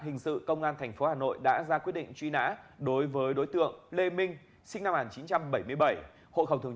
hình sự công an tp hà nội đã ra quyết định truy nã đối với đối tượng lê minh sinh năm một nghìn chín trăm bảy mươi bảy